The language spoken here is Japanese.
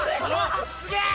すげえ！